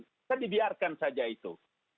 kita dibiarkan saja itu